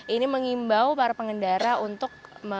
ini mengimbau para pengendara untuk